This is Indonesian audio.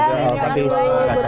terima kasih banyak